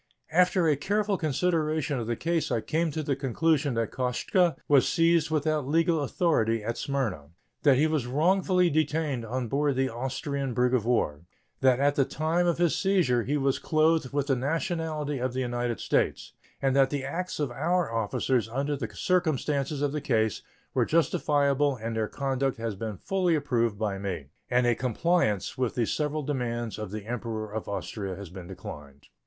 After a careful consideration of the case I came to the conclusion that Koszta was seized without legal authority at Smyrna; that he was wrongfully detained on board of the Austrian brig of war; that at the time of his seizure he was clothed with the nationality of the United States, and that the acts of our officers, under the circumstances of the case, were justifiable, and their conduct has been fully approved by me, and a compliance with the several demands of the Emperor of Austria has been declined.